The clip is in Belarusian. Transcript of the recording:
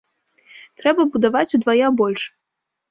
Трэба будаваць удвая больш.